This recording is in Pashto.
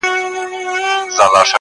پاچهي د ځناورو وه په غرو کي!